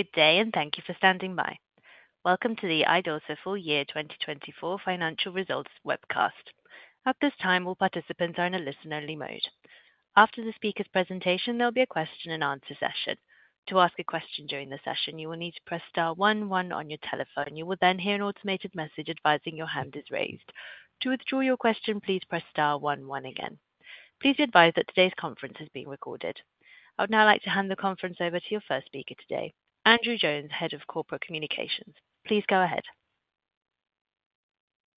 Good day, and thank you for standing by. Welcome to the Idorsia Full Year 2024 Financial Results webcast. At this time, all participants are in a listen-only mode. After the speaker's presentation, there'll be a question-and-answer session. To ask a question during the session, you will need to press star one-one on your telephone. You will then hear an automated message advising your hand is raised. To withdraw your question, please press star one-one again. Please be advised that today's conference is being recorded. I would now like to hand the conference over to your first speaker today, Andrew Jones, Head of Corporate Communications. Please go ahead.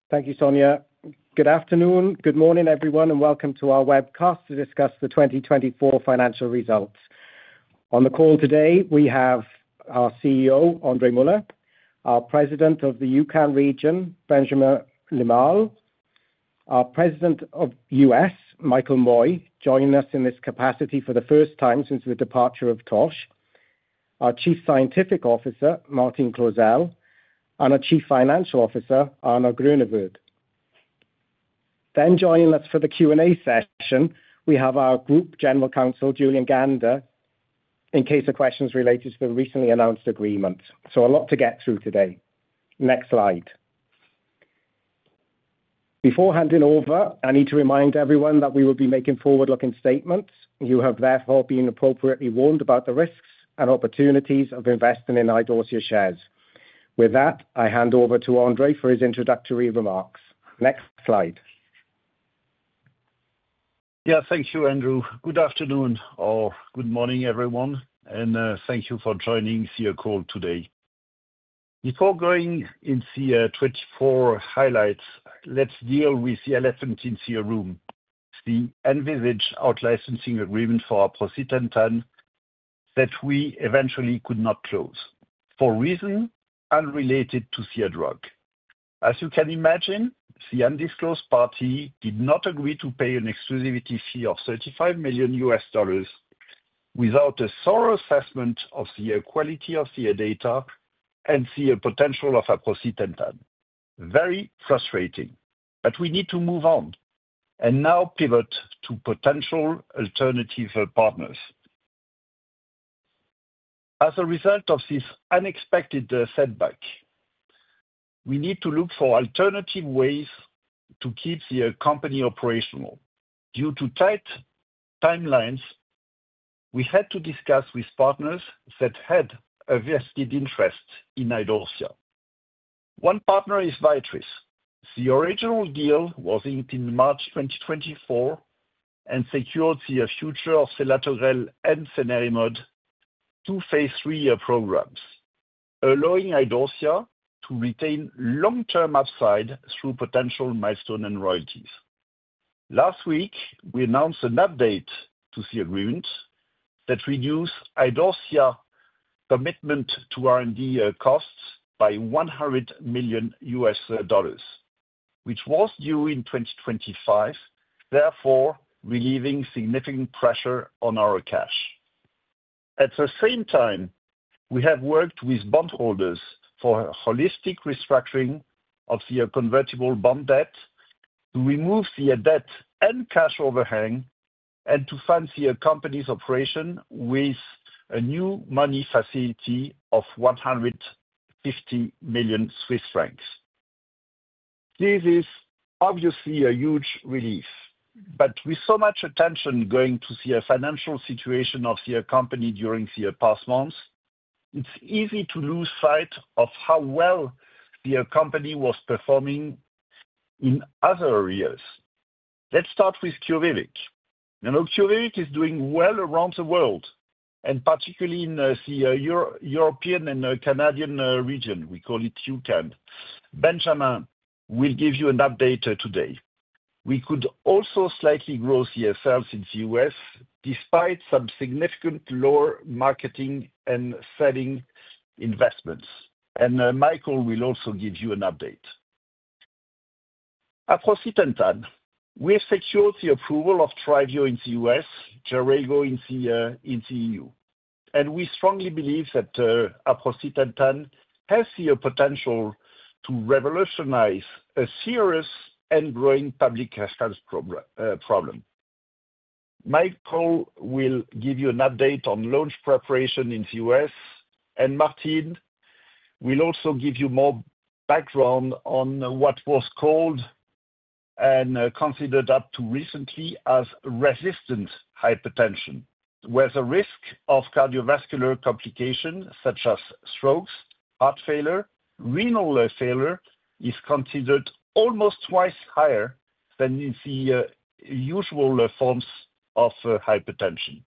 Thank you, Sonia. Good afternoon, good morning, everyone, and welcome to our webcast to discuss the 2024 financial results. On the call today, we have our CEO, André Muller, our President of the EUCAN region, Benjamin Limal, our President of the U.S., Michael Moye, joining us in this capacity for the first time since the departure of Tosh, our Chief Scientific Officer, Martine Clozel, and our Chief Financial Officer, Arno Groenewoud. Joining us for the Q&A session, we have our Group General Counsel, Julien Gander, in case of questions related to the recently announced agreement. A lot to get through today. Next slide. Before handing over, I need to remind everyone that we will be making forward-looking statements. You have therefore been appropriately warned about the risks and opportunities of investing in Idorsia shares. With that, I hand over to André for his introductory remarks. Next slide. Yeah, thank you, Andrew. Good afternoon or good morning, everyone, and thank you for joining the call today. Before going into the 2024 highlights, let's deal with the elephant in the room. The envisaged out-licensing agreement for aprocitentan that we eventually could not close for reasons unrelated to the drug. As you can imagine, the undisclosed party did not agree to pay an exclusivity fee of $35 million without a thorough assessment of the quality of the data and the potential of aprocitentan. Very frustrating, but we need to move on and now pivot to potential alternative partners. As a result of this unexpected setback, we need to look for alternative ways to keep the company operational. Due to tight timelines, we had to discuss with partners that had a vested interest in Idorsia. One partner is Viatris. The original deal was in March 2024 and secured the future of selatogrel and cenerimod, two phase III programs, allowing Idorsia to retain long-term upside through potential milestones and royalties. Last week, we announced an update to the agreement that reduced Idorsia commitment to R&D costs by $100 million, which was due in 2025, therefore relieving significant pressure on our cash. At the same time, we have worked with bondholders for a holistic restructuring of the convertible bond debt to remove the debt and cash overhang and to fund the company's operation with a new money facility of 150 million Swiss francs. This is obviously a huge relief, but with so much attention going to the financial situation of the company during the past months, it's easy to lose sight of how well the company was performing in other areas. Let's start with QUVIVIQ. You know, QUVIVIQ is doing well around the world, and particularly in the European and Canadian region. We call it EUCAN. Benjamin will give you an update today. We could also slightly grow sales in the U.S. despite some significant lower marketing and selling investments, and Michael will also give you an update. Aprocitentan, we have secured the approval of TRYVIO in the U.S., JERAYGO in the EU, and we strongly believe that aprocitentan has the potential to revolutionize a serious and growing public health problem. Michael will give you an update on launch preparation in the U.S., and Martine will also give you more background on what was called and considered up to recently as resistant hypertension, where the risk of cardiovascular complications such as strokes, heart failure, and renal failure is considered almost twice higher than the usual forms of hypertension.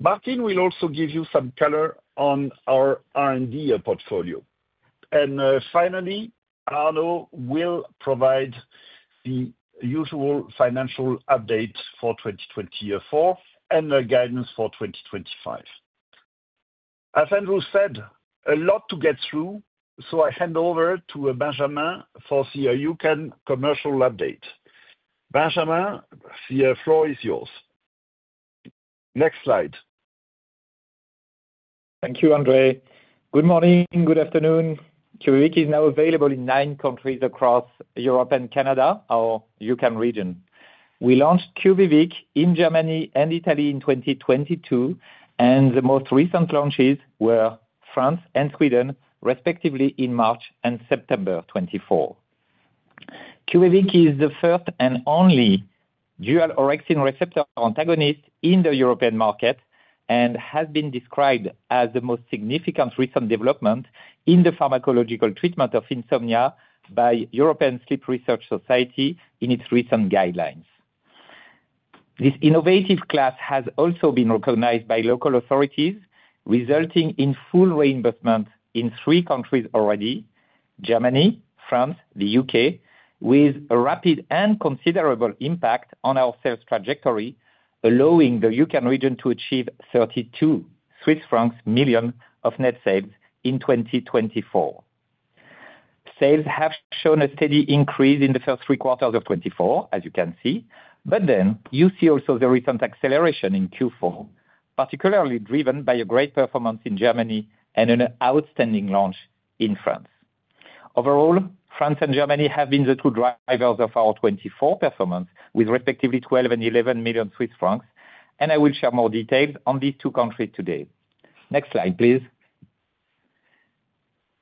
Martine will also give you some color on our R&D portfolio. Finally, Arno will provide the usual financial update for 2024 and guidance for 2025. As Andrew said, a lot to get through, so I hand over to Benjamin for the EUCAN commercial update. Benjamin, the floor is yours. Next slide. Thank you, André. Good morning, good afternoon. QUVIVIQ is now available in nine countries across Europe and Canada, our EUCAN region. We launched QUVIVIQ in Germany and Italy in 2022, and the most recent launches were France and Sweden, respectively, in March and September 2024. QUVIVIQ is the first and only dual orexin receptor antagonist in the European market and has been described as the most significant recent development in the pharmacological treatment of insomnia by the European Sleep Research Society in its recent guidelines. This innovative class has also been recognized by local authorities, resulting in full reimbursement in three countries already: Germany, France, and the U.K., with a rapid and considerable impact on our sales trajectory, allowing the EUCAN region to achieve 32 million Swiss francs of net sales in 2024. Sales have shown a steady increase in the first three-quarters of 2024, as you can see, but you also see the recent acceleration in Q4, particularly driven by a great performance in Germany and an outstanding launch in France. Overall, France and Germany have been the two drivers of our 2024 performance, with respectively 12 million and 11 million Swiss francs, and I will share more details on these two countries today. Next slide, please.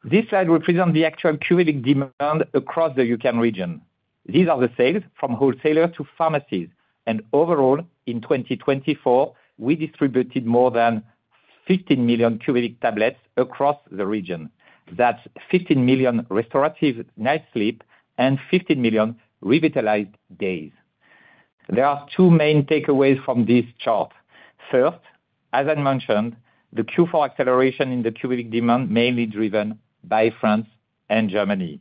This slide represents the actual QUVIVIQ demand across the EUCAN region. These are the sales from wholesalers to pharmacies, and overall, in 2024, we distributed more than 15 million QUVIVIQ tablets across the region. That is 15 million restorative night sleep and 15 million revitalized days. There are two main takeaways from this chart. First, as I mentioned, the Q4 acceleration in the QUVIVIQ demand is mainly driven by France and Germany.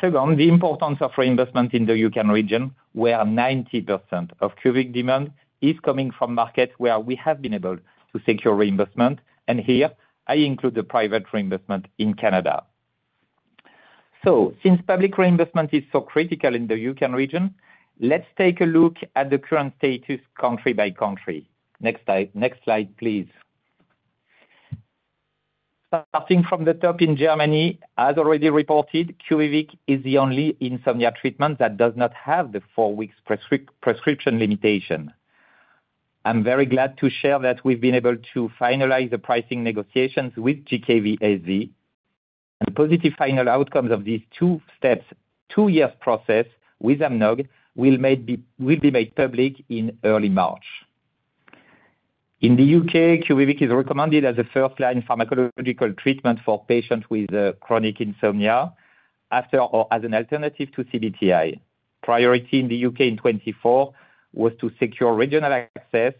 Second, the importance of reimbursement in the EUCAN region, where 90% of QUVIVIQ demand is coming from markets where we have been able to secure reimbursement, and here I include the private reimbursement in Canada. Since public reimbursement is so critical in the EUCAN region, let's take a look at the current status country by country. Next slide, please. Starting from the top in Germany, as already reported, QUVIVIQ is the only insomnia treatment that does not have the four-week prescription limitation. I'm very glad to share that we've been able to finalize the pricing negotiations with GKV-SV, and the positive final outcomes of these two steps, two years process with AMNOG, will be made public in early March. In the U.K., QUVIVIQ is recommended as a first-line pharmacological treatment for patients with chronic insomnia as an alternative to CBTI. Priority in the U.K. in 2024 was to secure regional access,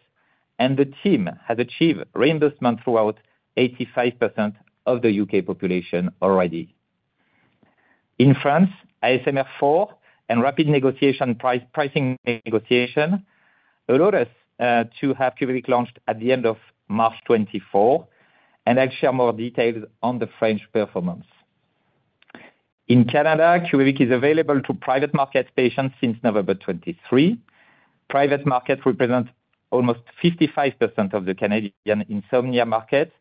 and the team has achieved reimbursement throughout 85% of the U.K. population already. In France, ASMR4 and rapid pricing negotiation allowed us to have QUVIVIQ launched at the end of March 2024, and I'll share more details on the French performance. In Canada, QUVIVIQ is available to private market patients since November 2023. Private market represents almost 55% of the Canadian insomnia market,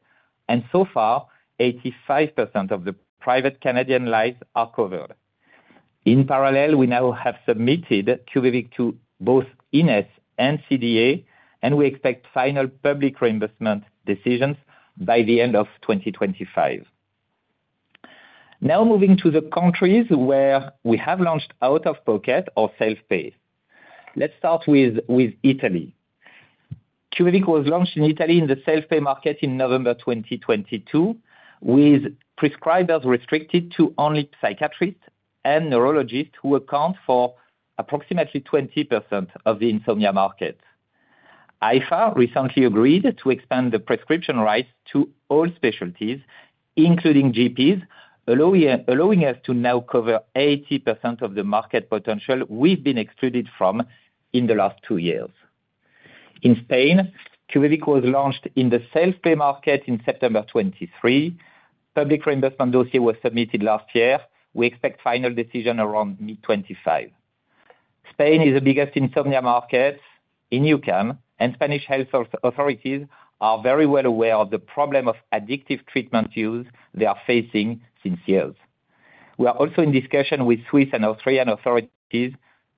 and so far, 85% of the private Canadian lives are covered. In parallel, we now have submitted QUVIVIQ to both INESSS and CDA, and we expect final public reimbursement decisions by the end of 2025. Now moving to the countries where we have launched out of pocket or self-pay. Let's start with Italy. QUVIVIQ was launched in Italy in the self-pay market in November 2022, with prescribers restricted to only psychiatrists and neurologists who account for approximately 20% of the insomnia market. AIFA recently agreed to expand the prescription rights to all specialties, including GPs, allowing us to now cover 80% of the market potential we've been excluded from in the last two years. In Spain, QUVIVIQ was launched in the self-pay market in September 2023. Public reimbursement dossier was submitted last year. We expect final decision around mid-2025. Spain is the biggest insomnia market in EUCAN, and Spanish health authorities are very well aware of the problem of addictive treatment use they are facing since years. We are also in discussion with Swiss and Austrian authorities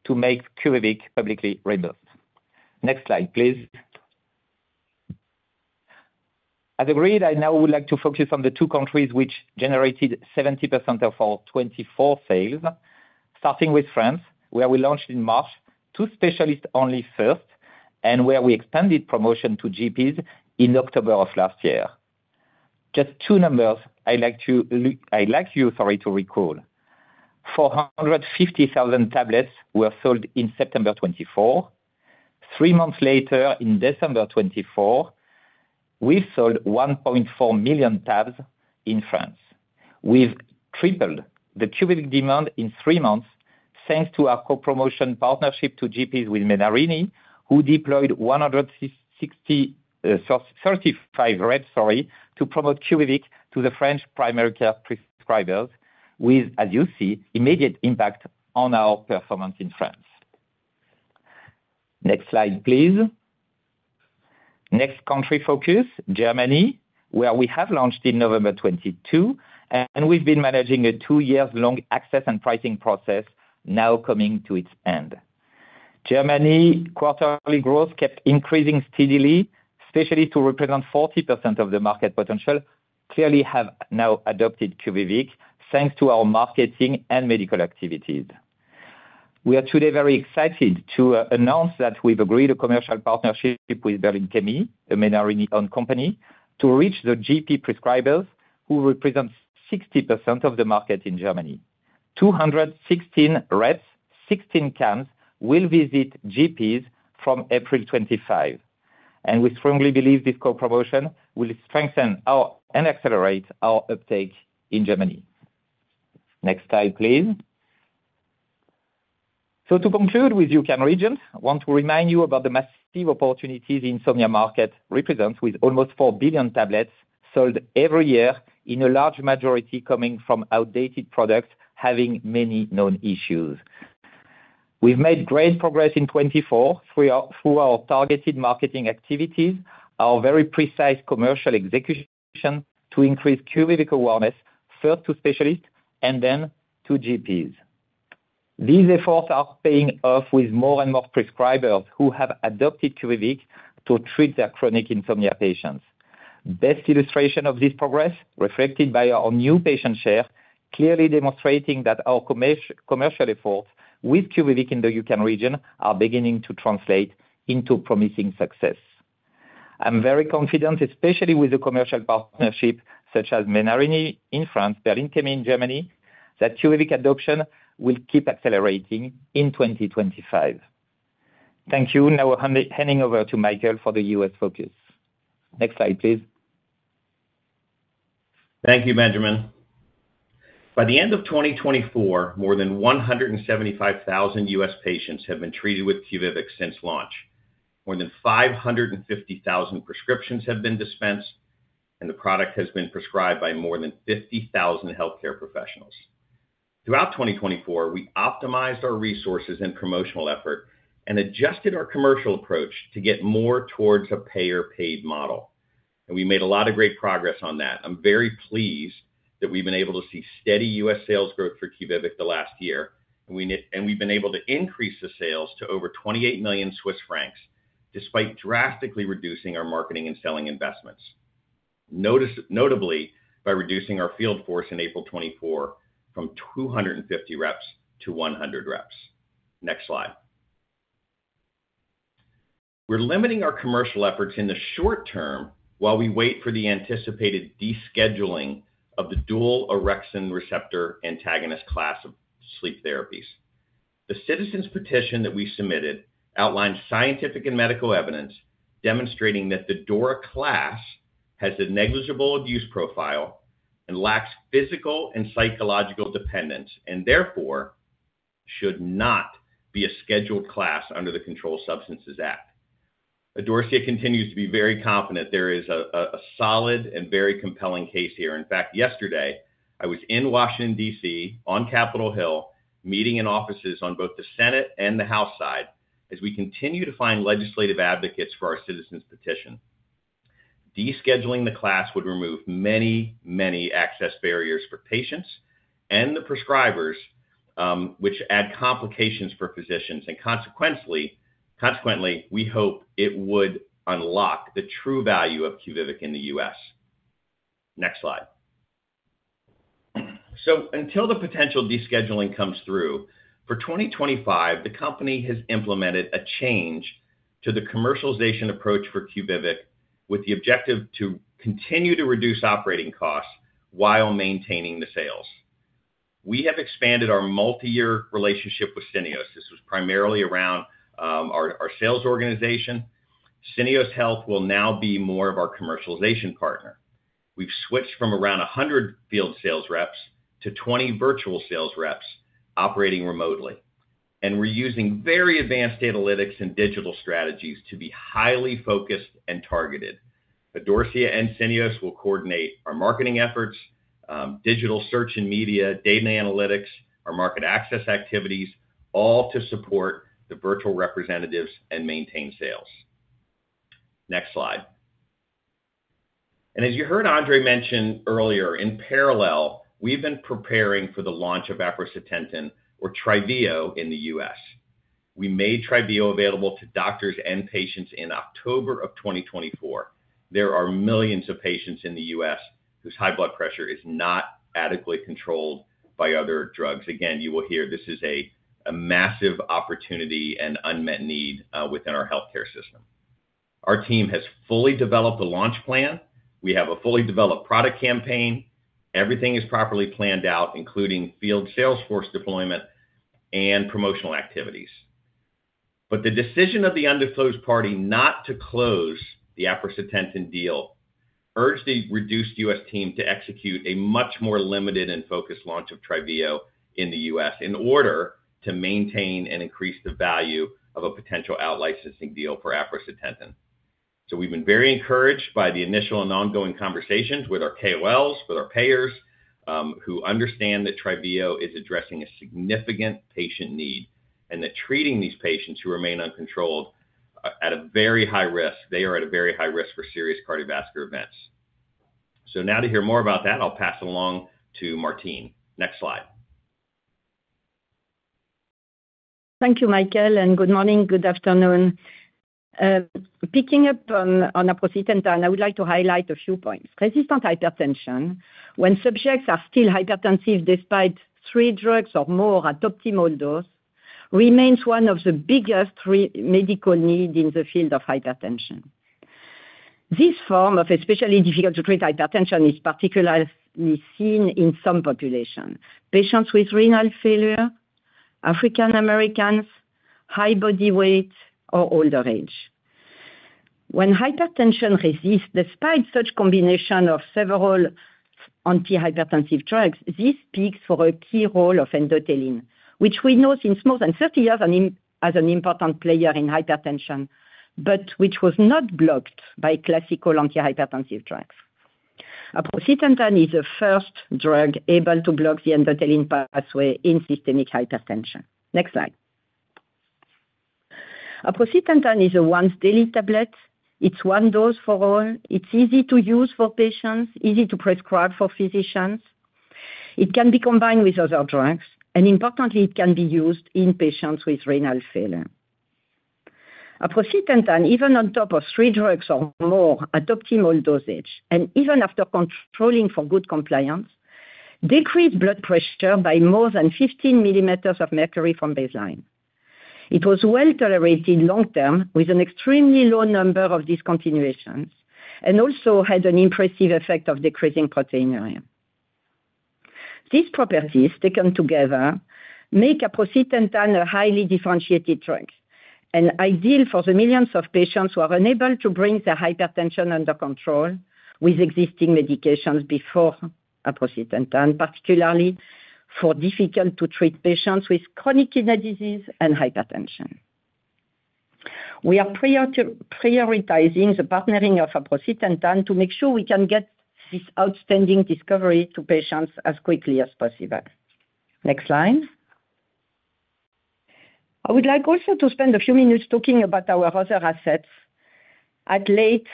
to make QUVIVIQ publicly reimbursed. Next slide, please. As agreed, I now would like to focus on the two countries which generated 70% of our 2024 sales, starting with France, where we launched in March to specialists only first, and where we expanded promotion to GPs in October of last year. Just two numbers I'd like you to recall. 450,000 tablets were sold in September 2024. Three months later, in December 2024, we've sold 1.4 million tabs in France. We've tripled the QUVIVIQ demand in three months thanks to our co-promotion partnership to GPs with Menarini, who deployed 160, sorry, 35 reps to promote QUVIVIQ to the French primary care prescribers, with, as you see, immediate impact on our performance in France. Next slide, please. Next country focus, Germany, where we have launched in November 2022, and we've been managing a two-year-long access and pricing process now coming to its end. Germany's quarterly growth kept increasing steadily, especially to represent 40% of the market potential, clearly have now adopted QUVIVIQ thanks to our marketing and medical activities. We are today very excited to announce that we've agreed a commercial partnership with Berlin-Chemie, a Menarini-owned company, to reach the GP prescribers who represent 60% of the market in Germany. 216 reps, 16 CAMs will visit GPs from April 25, and we strongly believe this co-promotion will strengthen and accelerate our uptake in Germany. Next slide, please. To conclude with EUCAN region, I want to remind you about the massive opportunities the insomnia market represents with almost 4 billion tablets sold every year, in a large majority coming from outdated products having many known issues. We've made great progress in 2024 through our targeted marketing activities, our very precise commercial execution to increase QUVIVIQ awareness first to specialists and then to GPs. These efforts are paying off with more and more prescribers who have adopted QUVIVIQ to treat their chronic insomnia patients. Best illustration of this progress, reflected by our new patient share, clearly demonstrating that our commercial efforts with QUVIVIQ in the EUCAN region are beginning to translate into promising success. I'm very confident, especially with the commercial partnership such as Menarini in France, Berlin-Chemie in Germany, that QUVIVIQ adoption will keep accelerating in 2025. Thank you. Now handing over to Michael for the U.S. focus. Next slide, please. Thank you, Benjamin. By the end of 2024, more than 175,000 U.S. patients have been treated with QUVIVIQ since launch. More than 550,000 prescriptions have been dispensed, and the product has been prescribed by more than 50,000 healthcare professionals. Throughout 2024, we optimized our resources and promotional effort and adjusted our commercial approach to get more towards a payer-paid model, and we made a lot of great progress on that. I'm very pleased that we've been able to see steady U.S. sales growth for QUVIVIQ the last year, and we've been able to increase the sales to over 28 million Swiss francs despite drastically reducing our marketing and selling investments, notably by reducing our field force in April 2024 from 250 reps to 100 reps. Next slide. We're limiting our commercial efforts in the short term while we wait for the anticipated descheduling of the dual orexin receptor antagonist class of sleep therapies. The citizens' petition that we submitted outlines scientific and medical evidence demonstrating that the DORA class has a negligible abuse profile and lacks physical and psychological dependence and therefore should not be a scheduled class under the Controlled Substances Act. Idorsia continues to be very confident there is a solid and very compelling case here. In fact, yesterday, I was in Washington, D.C. on Capitol Hill, meeting in offices on both the Senate and the House side as we continue to find legislative advocates for our citizens' petition. Descheduling the class would remove many, many access barriers for patients and the prescribers, which add complications for physicians, and consequently, we hope it would unlock the true value of QUVIVIQ in the U.S. Next slide. Until the potential descheduling comes through, for 2025, the company has implemented a change to the commercialization approach for QUVIVIQ with the objective to continue to reduce operating costs while maintaining the sales. We have expanded our multi-year relationship with Syneos. This was primarily around our sales organization. Syneos Health will now be more of our commercialization partner. We've switched from around 100 field sales reps to 20 virtual sales reps operating remotely, and we're using very advanced analytics and digital strategies to be highly focused and targeted. Idorsia and Syneos will coordinate our marketing efforts, digital search and media, data analytics, our market access activities, all to support the virtual representatives and maintain sales. Next slide. As you heard André mention earlier, in parallel, we've been preparing for the launch of aprocitentan, or TRYVIO, in the U.S. We made TRYVIO available to doctors and patients in October of 2024. There are millions of patients in the U.S. whose high blood pressure is not adequately controlled by other drugs. Again, you will hear this is a massive opportunity and unmet need within our healthcare system. Our team has fully developed a launch plan. We have a fully developed product campaign. Everything is properly planned out, including field salesforce deployment and promotional activities. The decision of the undisclosed party not to close the aprocitentan deal urged the reduced U.S. team to execute a much more limited and focused launch of TRYVIO in the U.S. in order to maintain and increase the value of a potential out licensing deal for aprocitentan. We have been very encouraged by the initial and ongoing conversations with our KOLs, with our payers, who understand that TRYVIO is addressing a significant patient need and that treating these patients who remain uncontrolled at a very high risk, they are at a very high risk for serious cardiovascular events. Now to hear more about that, I'll pass along to Martine. Next slide. Thank you, Michael, and good morning, good afternoon. Picking up on aprocitentan, I would like to highlight a few points. Resistant hypertension, when subjects are still hypertensive despite three drugs or more at optimal dose, remains one of the biggest medical needs in the field of hypertension. This form of especially difficult to treat hypertension is particularly seen in some populations: patients with renal failure, African Americans, high body weight, or older age. When hypertension resists despite such combination of several antihypertensive drugs, this speaks for a key role of endothelin, which we know since more than 30 years as an important player in hypertension, but which was not blocked by classical antihypertensive drugs. Aprocitentan is the first drug able to block the endothelin pathway in systemic hypertension. Next slide. Aprocitentan is a once-daily tablet. It's one dose for all. It's easy to use for patients, easy to prescribe for physicians. It can be combined with other drugs, and importantly, it can be used in patients with renal failure. Aprocitentan, even on top of three drugs or more at optimal dosage, and even after controlling for good compliance, decreased blood pressure by more than 15 mm of mercury from baseline. It was well tolerated long-term with an extremely low number of discontinuations and also had an impressive effect of decreasing proteinuria. These properties taken together make aprocitentan a highly differentiated drug and ideal for the millions of patients who are unable to bring their hypertension under control with existing medications before aprocitentan, particularly for difficult-to-treat patients with chronic kidney disease and hypertension. We are prioritizing the partnering of aprocitentan to make sure we can get this outstanding discovery to patients as quickly as possible. Next slide. I would like also to spend a few minutes talking about our other assets at late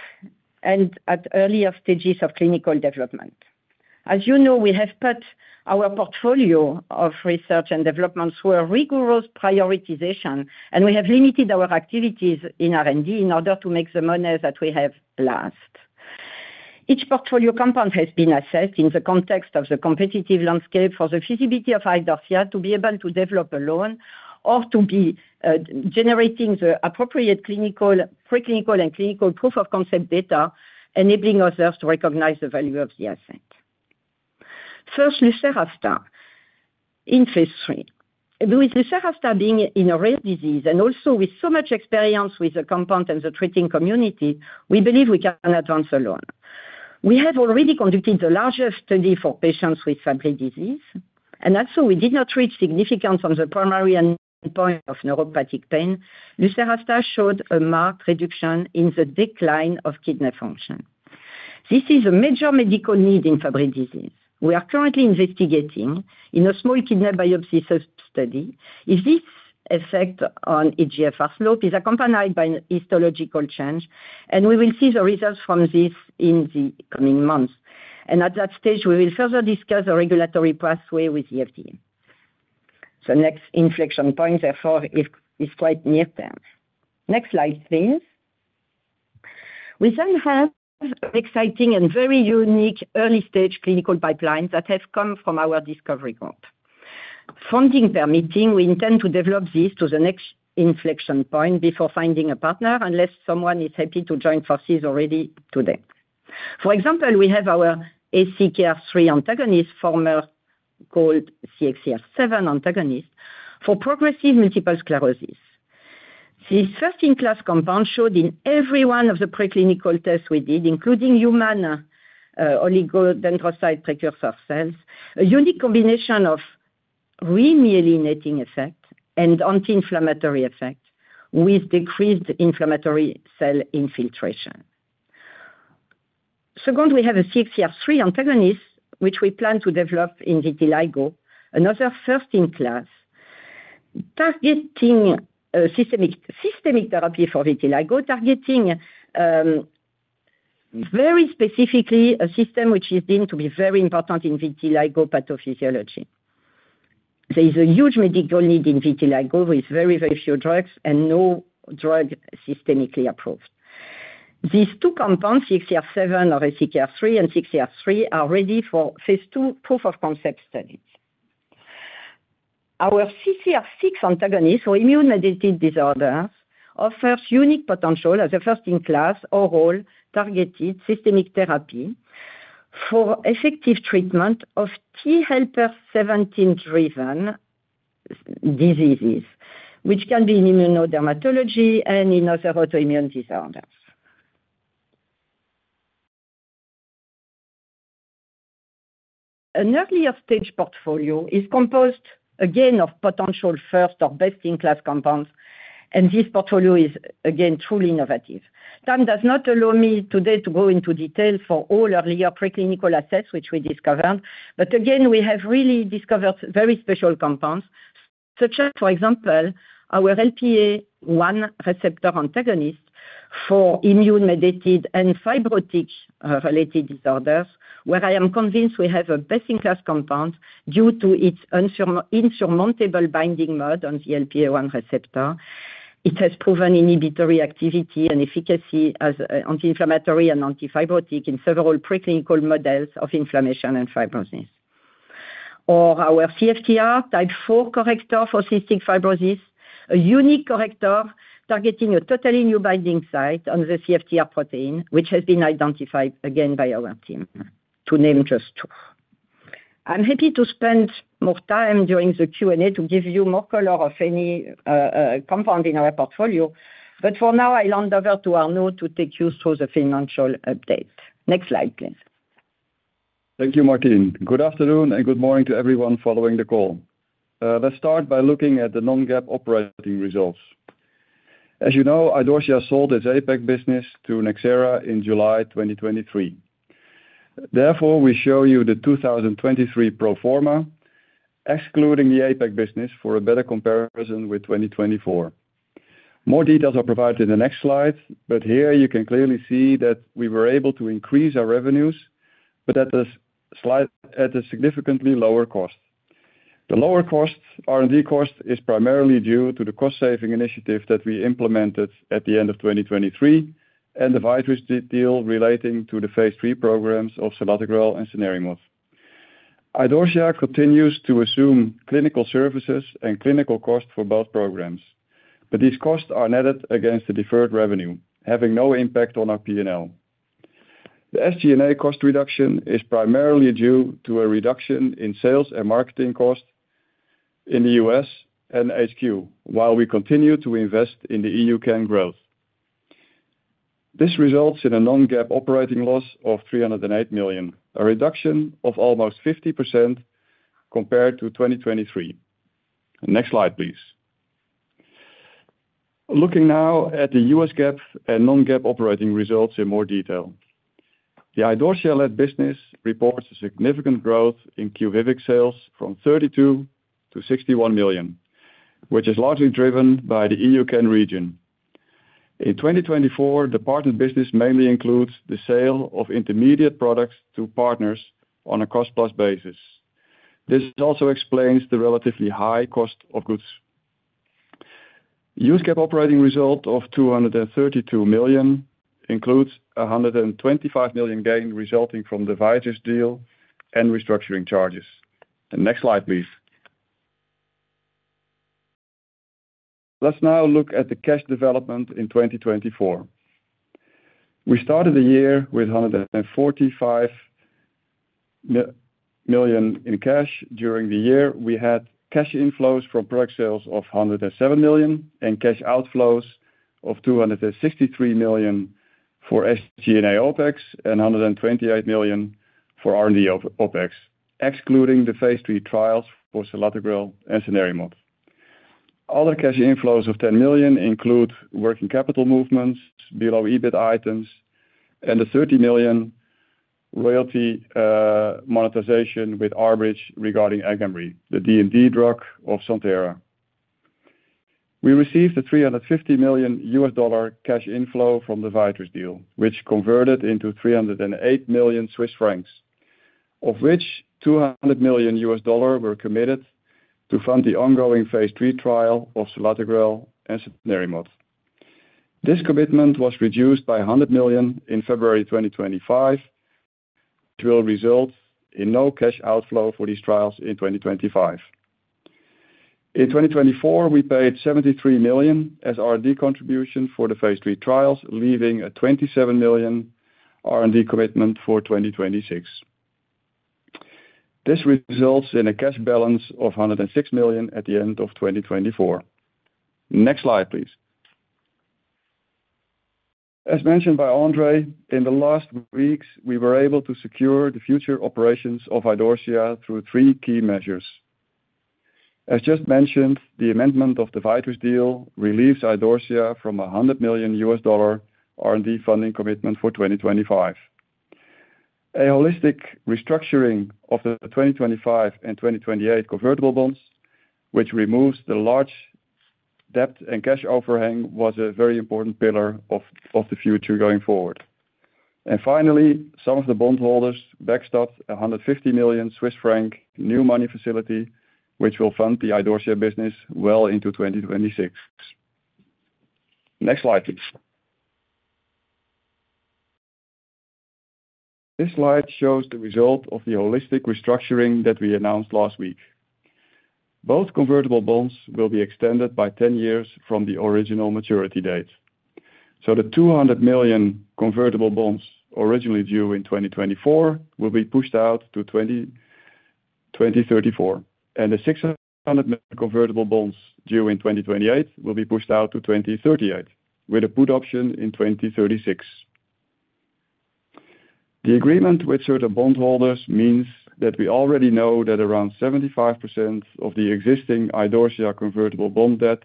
and at earlier stages of clinical development. As you know, we have put our portfolio of research and development through a rigorous prioritization, and we have limited our activities in R&D in order to make the money that we have last. Each portfolio compound has been assessed in the context of the competitive landscape for the feasibility of Idorsia to be able to develop alone or to be generating the appropriate preclinical and clinical proof of concept data, enabling others to recognize the value of the asset. First, lucerastat in phase III. With lucerastat being in a rare disease and also with so much experience with the compound and the treating community, we believe we can advance alone. We have already conducted a larger study for patients with Fabry disease, and that's how we did not reach significance on the primary endpoint of neuropathic pain. Lucerastat showed a marked reduction in the decline of kidney function. This is a major medical need in Fabry disease. We are currently investigating in a small kidney biopsy study if this effect on eGFR slope is accompanied by histological change, and we will see the results from this in the coming months. At that stage, we will further discuss the regulatory pathway with FDA. Next inflection point, therefore, is quite near term. Next slide, please. We then have an exciting and very unique early-stage clinical pipeline that has come from our discovery group. Funding permitting, we intend to develop this to the next inflection point before finding a partner, unless someone is happy to join forces already today. For example, we have our ACKR3 antagonist, former CXCR7 antagonist, for progressive multiple sclerosis. This first-in-class compound showed in every one of the preclinical tests we did, including human oligodendrocyte precursor cells, a unique combination of remyelinating effect and anti-inflammatory effect with decreased inflammatory cell infiltration. Second, we have a CXCR3 antagonist, which we plan to develop in vitiligo, another first-in-class systemic therapy for vitiligo, targeting very specifically a system which is deemed to be very important in vitiligo pathophysiology. There is a huge medical need in vitiligo with very, very few drugs and no drug systemically approved. These two compounds, CXCR7 or ACKR3 and CXCR3, are ready for phase II proof of concept studies. Our CCR6 antagonist, or immune-edited disorder, offers unique potential as a first-in-class overall targeted systemic therapy for effective treatment of Th17-driven diseases, which can be in immunodermatology and in other autoimmune disorders. An earlier stage portfolio is composed, again, of potential first or best-in-class compounds, and this portfolio is, again, truly innovative. Time does not allow me today to go into detail for all earlier preclinical assets which we discovered, but again, we have really discovered very special compounds, such as, for example, our LPA1 receptor antagonist for immune-mediated and fibrotic-related disorders, where I am convinced we have a best-in-class compound due to its insurmountable binding mode on the LPA1 receptor. It has proven inhibitory activity and efficacy as anti-inflammatory and antifibrotic in several preclinical models of inflammation and fibrosis. Or our CFTR type IV corrector for cystic fibrosis, a unique corrector targeting a totally new binding site on the CFTR protein, which has been identified, again, by our team, to name just two. I'm happy to spend more time during the Q&A to give you more color of any compound in our portfolio, but for now, I'll hand over to Arno to take you through the financial update. Next slide, please. Thank you, Martine. Good afternoon and good morning to everyone following the call. Let's start by looking at the non-GAAP operating results. As you know, Idorsia sold its APAC business to Nxera in July 2023. Therefore, we show you the 2023 pro forma, excluding the APAC business, for a better comparison with 2024. More details are provided in the next slide, but here you can clearly see that we were able to increase our revenues, but at a significantly lower cost. The lower cost, R&D cost, is primarily due to the cost-saving initiative that we implemented at the end of 2023 and the Viatris deal relating to the phase III programs of selatogrel and cenerimod. Idorsia continues to assume clinical services and clinical costs for both programs, but these costs are netted against the deferred revenue, having no impact on our P&L. The SG&A cost reduction is primarily due to a reduction in sales and marketing costs in the U.S. and HQ, while we continue to invest in the EUCAN growth. This results in a non-GAAP operating loss of 308 million, a reduction of almost 50% compared to 2023. Next slide, please. Looking now at the U.S. GAAP and non-GAAP operating results in more detail, the Idorsia-led business reports a significant growth in QUVIVIQ sales from 32 million-61 million, which is largely driven by the EUCAN region. In 2024, the partnered business mainly includes the sale of intermediate products to partners on a cost-plus basis. This also explains the relatively high cost of goods. U.S. GAAP operating result of 232 million includes a 125 million gain resulting from the Viatris deal and restructuring charges. Next slide, please. Let's now look at the cash development in 2024. We started the year with 145 million in cash. During the year, we had cash inflows from product sales of 107 million and cash outflows of 263 million for SG&A OpEx and 128 million for R&D OpEx, excluding the phase III trials for selatogrel and cenerimod. Other cash inflows of 10 million include working capital movements below EBIT items and the 30 million royalty monetization with R-Bridge regarding Agamree, the DMD drug of Santhera. We received a $350 million cash inflow from the Viatris deal, which converted into 308 million Swiss francs, of which $200 million were committed to fund the ongoing phase III trial of selatogrel and cenerimod. This commitment was reduced by $100 million in February 2025, which will result in no cash outflow for these trials in 2025. In 2024, we paid 73 million as R&D contribution for the phase III trials, leaving a 27 million R&D commitment for 2026. This results in a cash balance of 106 million at the end of 2024. Next slide, please. As mentioned by André, in the last weeks, we were able to secure the future operations of Idorsia through three key measures. As just mentioned, the amendment of the Viatris deal relieves Idorsia from a $100 million R&D funding commitment for 2025. A holistic restructuring of the 2025 and 2028 convertible bonds, which removes the large debt and cash overhang, was a very important pillar of the future going forward. Finally, some of the bondholders backstopped a 150 million Swiss franc new money facility, which will fund the Idorsia business well into 2026. Next slide, please. This slide shows the result of the holistic restructuring that we announced last week. Both convertible bonds will be extended by 10 years from the original maturity date. The 200 million convertible bonds originally due in 2024 will be pushed out to 2034, and the 600 million convertible bonds due in 2028 will be pushed out to 2038 with a put option in 2036. The agreement with certain bondholders means that we already know that around 75% of the existing Idorsia convertible bond debt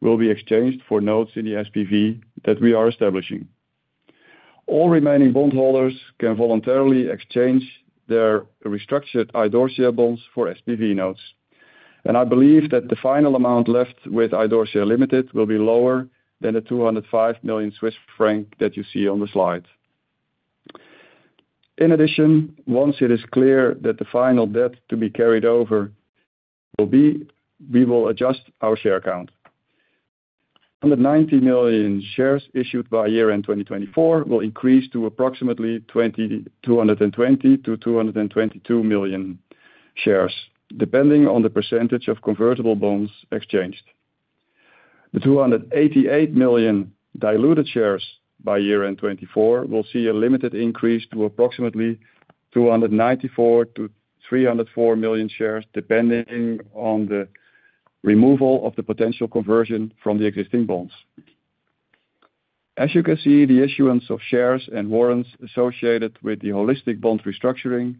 will be exchanged for notes in the SPV that we are establishing. All remaining bondholders can voluntarily exchange their restructured Idorsia bonds for SPV notes, and I believe that the final amount left with Idorsia will be lower than the 205 million Swiss franc that you see on the slide. In addition, once it is clear what the final debt to be carried over will be, we will adjust our share count. 190 million shares issued by year-end 2024 will increase to approximately 220-222 million shares, depending on the percentage of convertible bonds exchanged. The 288 million diluted shares by year-end 2024 will see a limited increase to approximately 294-304 million shares, depending on the removal of the potential conversion from the existing bonds. As you can see, the issuance of shares and warrants associated with the holistic bond restructuring,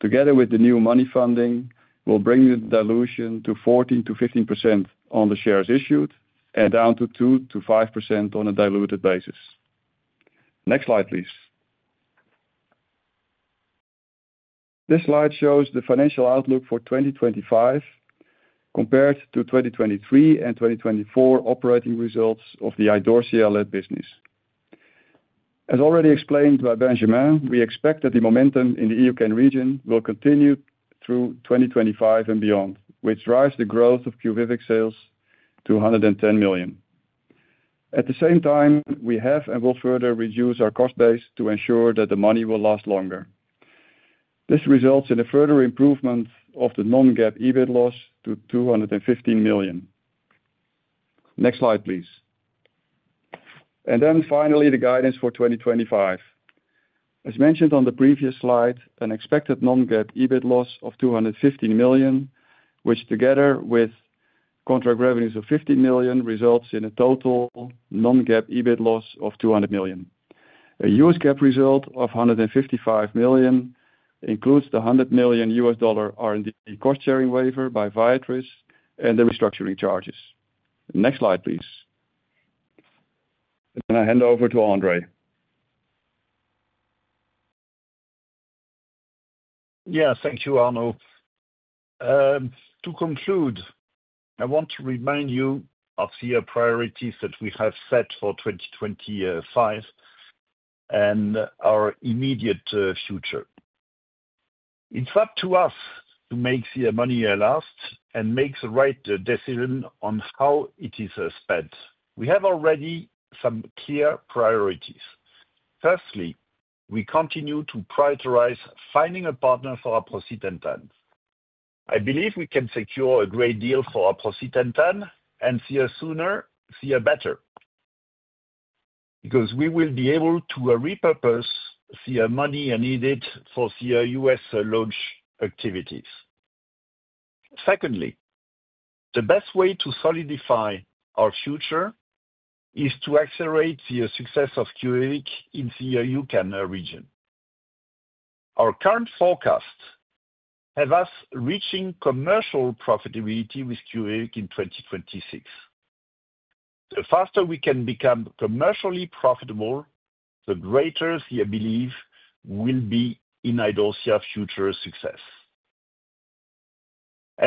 together with the new money funding, will bring the dilution to 14%-15% on the shares issued and down to 2%-5% on a diluted basis. Next slide, please. This slide shows the financial outlook for 2025 compared to 2023 and 2024 operating results of the Idorsia-led business. As already explained by Benjamin, we expect that the momentum in the EUCAN region will continue through 2025 and beyond, which drives the growth of QUVIVIQ sales to 110 million. At the same time, we have and will further reduce our cost base to ensure that the money will last longer. This results in a further improvement of the non-GAAP EBIT loss to 215 million. Next slide, please. Finally, the guidance for 2025. As mentioned on the previous slide, an expected non-GAAP EBIT loss of 215 million, which together with contract revenues of 15 million, results in a total non-GAAP EBIT loss of 200 million. A U.S. GAAP result of $155 million includes the $100 million R&D cost-sharing waiver by Viatris and the restructuring charges. Next slide, please. I hand over to André. Yes, thank you, Arno. To conclude, I want to remind you of the priorities that we have set for 2025 and our immediate future. It's up to us to make the money last and make the right decision on how it is spent. We have already some clear priorities. Firstly, we continue to prioritize finding a partner for our aprocitentan. I believe we can secure a great deal for our aprocitentan and see a sooner, see a better, because we will be able to repurpose the money needed for the U.S. launch activities. Secondly, the best way to solidify our future is to accelerate the success of QUVIVIQ in the EUCAN region. Our current forecasts have us reaching commercial profitability with QUVIVIQ in 2026. The faster we can become commercially profitable, the greater the belief will be in Idorsia's future success.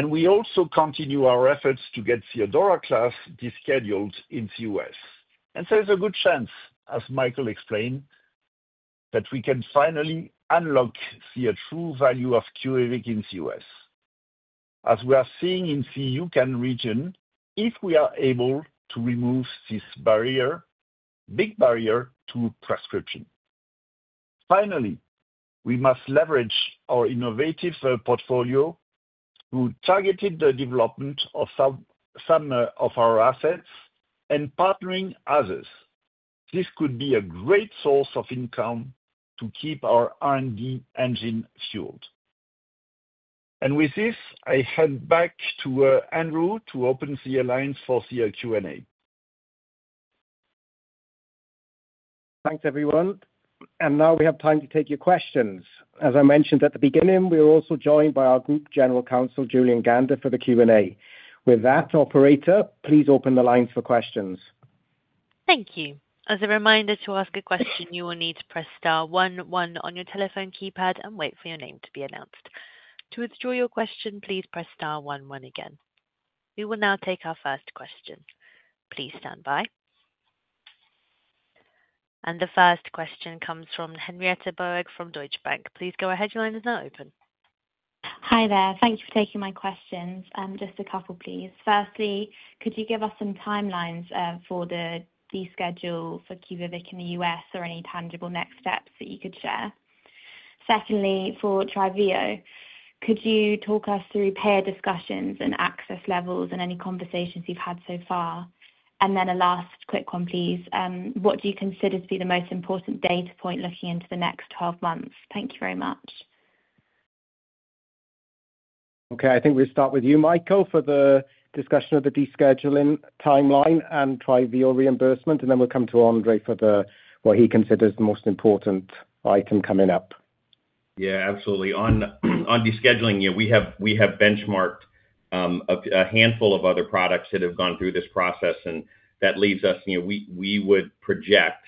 We also continue our efforts to get the DORA class rescheduled in the U.S. There is a good chance, as Michael explained, that we can finally unlock the true value of QUVIVIQ in the U.S., as we are seeing in the EUCAN region, if we are able to remove this barrier, big barrier to prescription. Finally, we must leverage our innovative portfolio to target the development of some of our assets and partnering others. This could be a great source of income to keep our R&D engine fueled. With this, I hand back to Andrew to open the lines for the Q&A. Thanks, everyone. Now we have time to take your questions. As I mentioned at the beginning, we are also joined by our Group General Counsel, Julien Gander, for the Q&A. With that, Operator, please open the lines for questions. Thank you. As a reminder to ask a question, you will need to press star one-one on your telephone keypad and wait for your name to be announced. To withdraw your question, please press star one-one again. We will now take our first question. Please stand by. The first question comes from Henrietta Boeg from Deutsche Bank. Please go ahead. Your line is now open. Hi there. Thank you for taking my questions. Just a couple, please. Firstly, could you give us some timelines for the reschedule for QUVIVIQ in the U.S. or any tangible next steps that you could share? Secondly, for TRYVIO, could you talk us through payer discussions and access levels and any conversations you've had so far? And then a last quick one, please. What do you consider to be the most important data point looking into the next 12 months? Thank you very much. Okay, I think we'll start with you, Michael, for the discussion of the rescheduling timeline and TRYVIO reimbursement, and then we'll come to André for what he considers the most important item coming up. Yeah, absolutely. On rescheduling, we have benchmarked a handful of other products that have gone through this process, and that leaves us, we would project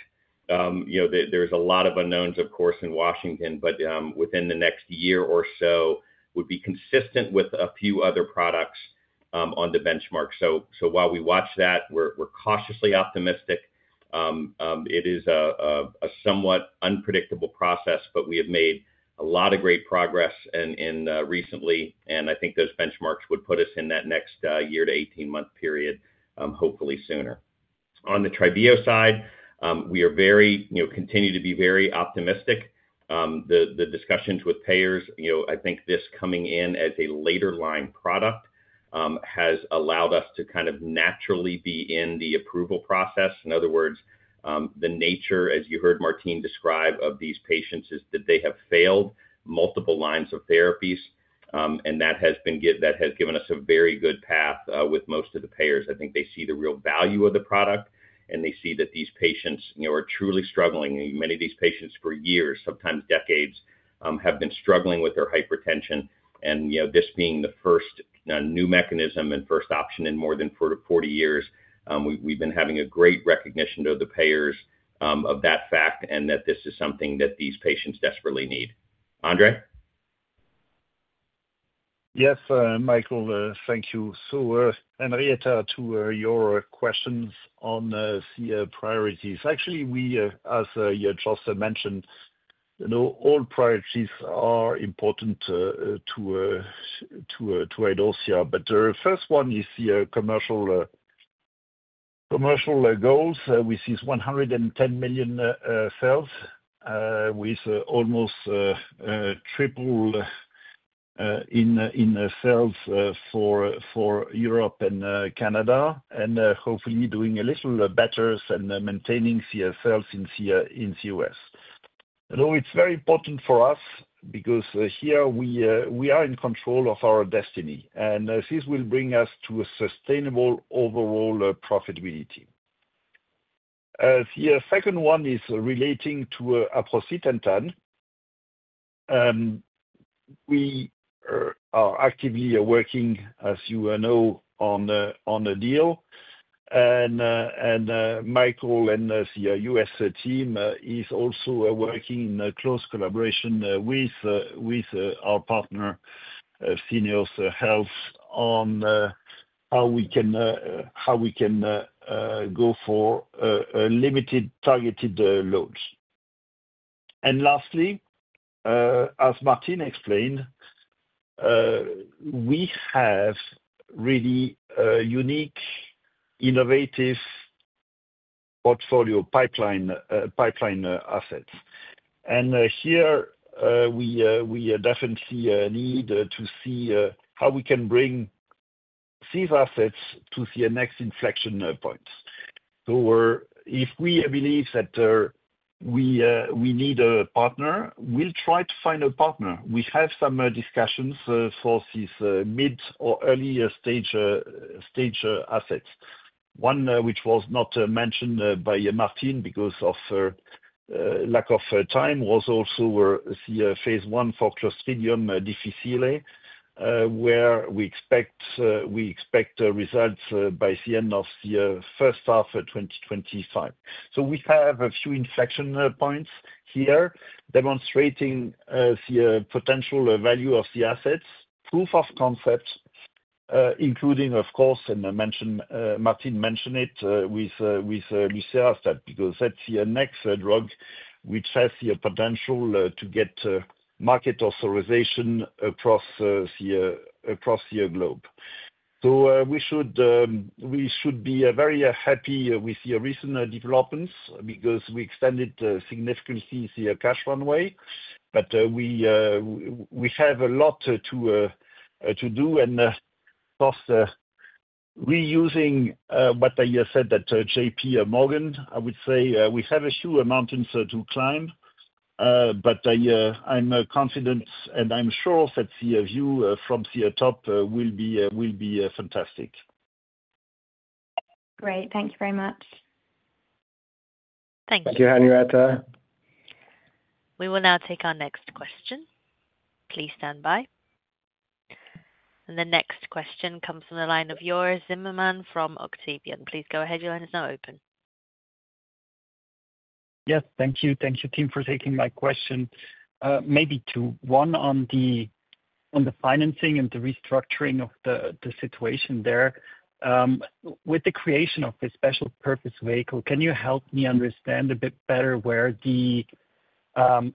there's a lot of unknowns, of course, in Washington, but within the next year or so, would be consistent with a few other products on the benchmark. We watch that, we're cautiously optimistic. It is a somewhat unpredictable process, but we have made a lot of great progress recently, and I think those benchmarks would put us in that next year to 18-month period, hopefully sooner. On the TRYVIO side, we continue to be very optimistic. The discussions with payers, I think this coming in as a later-line product has allowed us to kind of naturally be in the approval process. In other words, the nature, as you heard Martine describe of these patients, is that they have failed multiple lines of therapies, and that has given us a very good path with most of the payers. I think they see the real value of the product, and they see that these patients are truly struggling. Many of these patients for years, sometimes decades, have been struggling with their hypertension. This being the first new mechanism and first option in more than 40 years, we have been having a great recognition of the payers of that fact and that this is something that these patients desperately need. André? Yes, Michael, thank you. Henrietta, to your questions on the priorities. Actually, as you just mentioned, all priorities are important to Idorsia, but the first one is the commercial goals, which is 110 million sales, with almost triple in sales for Europe and Canada, and hopefully doing a little better and maintaining sales in the U.S. It is very important for us because here we are in control of our destiny, and this will bring us to a sustainable overall profitability. The second one is relating to a aprocitentan. We are actively working, as you know, on a deal, and Michael and the U.S. team are also working in close collaboration with our partner, Syneos Health, on how we can go for limited targeted loads. Lastly, as Martine explained, we have really unique, innovative portfolio pipeline assets. We definitely need to see how we can bring these assets to the next inflection point. If we believe that we need a partner, we'll try to find a partner. We have some discussions for these mid or early stage assets. One which was not mentioned by Martine because of lack of time was also the phase I for Clostridium difficile, where we expect results by the end of the first half of 2025. We have a few inflection points here demonstrating the potential value of the assets, proof of concept, including, of course, and Martine mentioned it with Lucerastat, because that's the next drug which has the potential to get market authorization across the globe. We should be very happy with the recent developments because we extended significantly the cash runway, but we have a lot to do. Of course, reusing what I said at J.P. Morgan, I would say we have a few mountains to climb, but I'm confident and I'm sure that the view from the top will be fantastic. Great. Thank you very much. Thanks. Thank you, Henrietta. We will now take our next question. Please stand by. The next question comes from the line of Joris Zimmerman from Octavian. Please go ahead. Your line is now open. Yes, thank you. Thank you, team, for taking my question. Maybe two. One on the financing and the restructuring of the situation there. With the creation of the special purpose vehicle, can you help me understand a bit better where the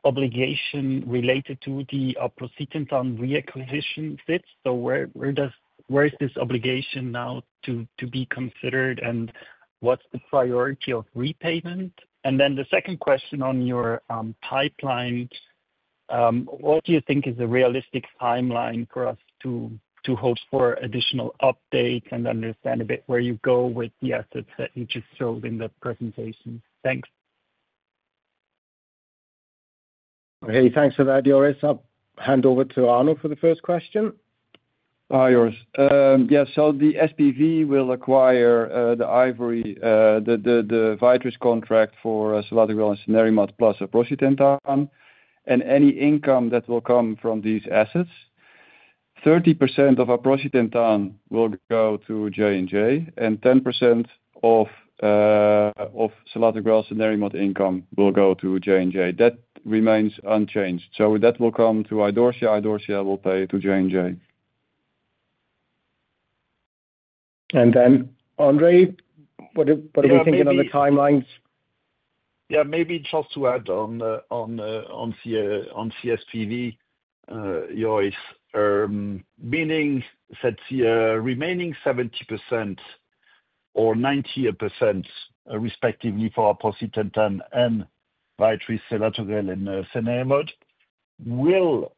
obligation related to the aprocitentan reacquisition sits? Where is this obligation now to be considered, and what's the priority of repayment? The second question on your pipeline, what do you think is a realistic timeline for us to hope for additional updates and understand a bit where you go with the assets that you just showed in the presentation? Thanks. Okay, thanks for that, Joris. I'll hand over to Arno for the first question. Hi, Joris. Yeah, so the SPV will acquire the [Ivory], the Viatris contract for selatogrel and cenerimod plus a aprocitentan, and any income that will come from these assets, 30% of our aprocitentan will go to J&J, and 10% of selatogrel and cenerimod income will go to J&J. That remains unchanged. That will come to Idorsia. Idorsia will pay it to J&J. Then, André, what are we thinking on the timelines? Yeah. Maybe just to add on the SPV, Joris, meaning that the remaining 70% or 90% respectively for aprocitentan and Viatris, selatogrel and cenerimod will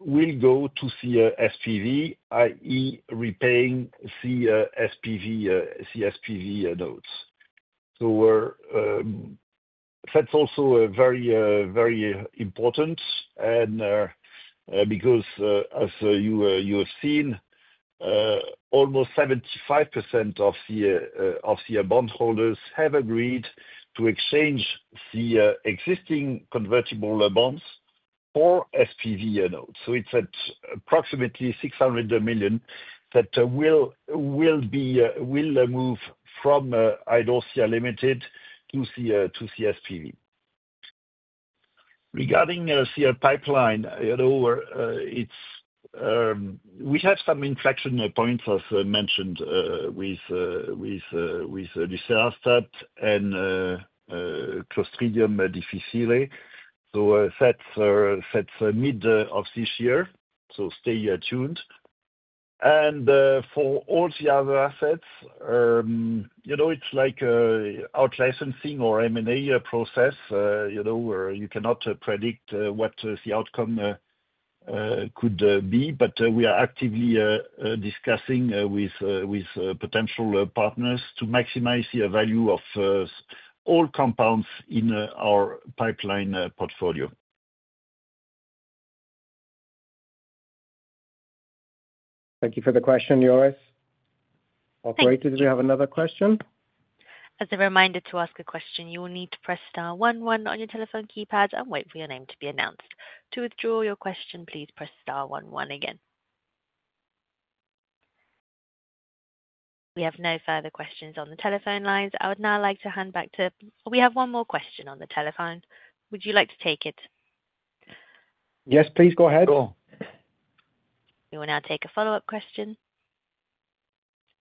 go to the SPV, i.e., repaying the SPV notes. That is also very important. As you have seen, almost 75% of the bondholders have agreed to exchange the existing convertible bonds for SPV notes. It is at approximately 600 million that will move from Idorsia Ltd to the SPV. Regarding the pipeline, we have some inflection points, as mentioned, with Lucerastat and Clostridium difficile. That is mid of this year, so stay tuned. For all the other assets, it's like out-licensing or M&A process where you cannot predict what the outcome could be, but we are actively discussing with potential partners to maximize the value of all compounds in our pipeline portfolio. Thank you for the question, Joris. Operator, do we have another question? As a reminder to ask a question, you will need to press star one-one on your telephone keypad and wait for your name to be announced. To withdraw your question, please press star one-one again. We have no further questions on the telephone lines. I would now like to hand back to—we have one more question on the telephone. Would you like to take it? Yes, please go ahead. Sure. We will now take a follow-up question.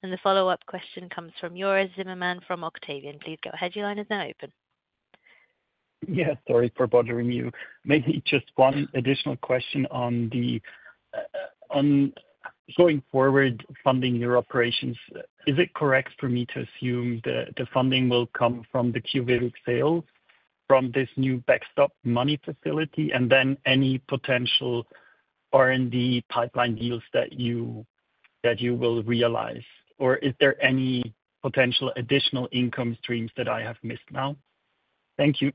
The follow-up question comes from Joris Zimmerman from Octavian. Please go ahead. Your line is now open. Yeah, sorry for bothering you. Maybe just one additional question on the going forward funding your operations. Is it correct for me to assume that the funding will come from the QUVIVIQ sales from this new backstop money facility and then any potential R&D pipeline deals that you will realize? Is there any potential additional income streams that I have missed now? Thank you.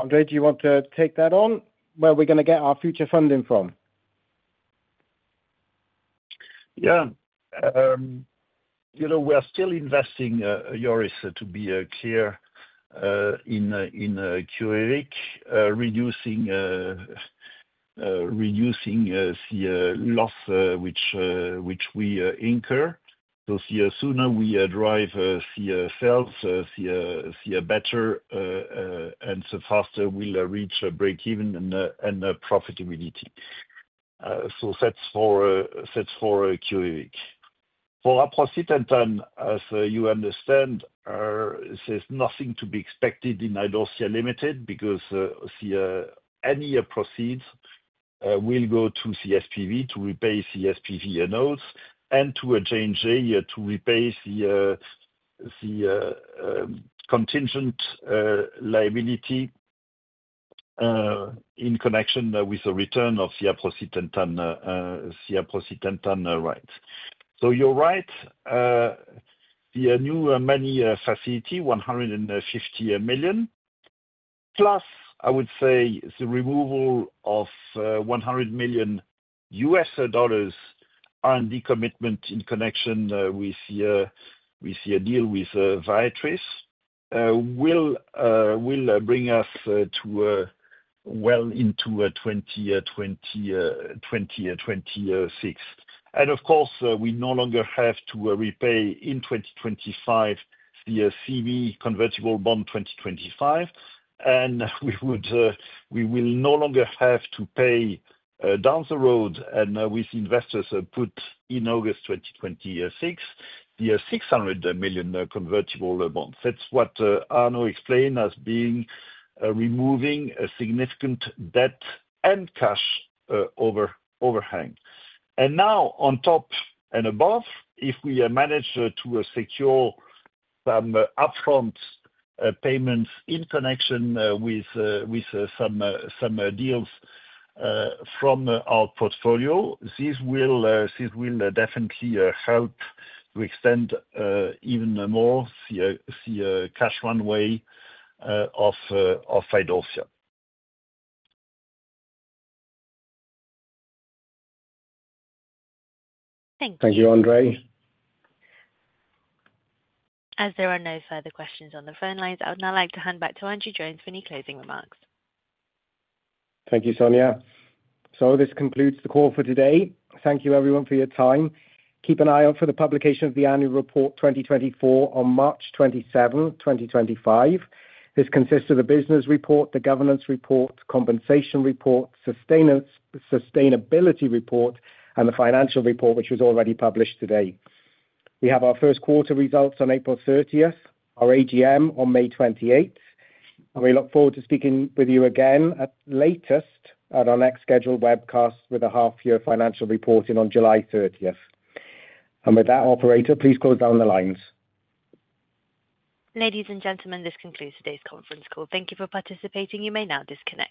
André, do you want to take that on? Where are we going to get our future funding from? Yeah. We are still investing, Joris, to be clear, in QUVIVIQ, reducing the loss which we incur. The sooner we drive the sales, the better, and the faster we'll reach break-even and profitability. That is for QUVIVIQ. For our aprocitentan, as you understand, there is nothing to be expected in Idorsia because any proceeds will go to the SPV to repay the SPV notes and to J&J to repay the contingent liability in connection with the return of the aprocitentan rights. You are right, the new money facility, $150 million, plus, I would say, the removal of $100 million R&D commitment in connection with the deal with Viatris will bring us well into 2026. Of course, we no longer have to repay in 2025 the CB convertible bond 2025, and we will no longer have to pay down the road and with investors put in August 2026 the 600 million convertible bonds. That is what Arno explained as being removing a significant debt and cash overhang. Now, on top and above, if we manage to secure some upfront payments in connection with some deals from our portfolio, this will definitely help to extend even more the cash runway of Idorsia. Thank you. Thank you, André. As there are no further questions on the phone lines, I would now like to hand back to Andrew Jones for any closing remarks. Thank you, Sonia. This concludes the call for today. Thank you, everyone, for your time. Keep an eye out for the publication of the annual report 2024 on March 27, 2025. This consists of the business report, the governance report, compensation report, sustainability report, and the financial report, which was already published today. We have our first quarter results on April 30, our AGM on May 28, and we look forward to speaking with you again at the latest at our next scheduled webcast with a half-year financial reporting on July 30. With that, Operator, please close down the lines. Ladies and gentlemen, this concludes today's conference call. Thank you for participating. You may now disconnect.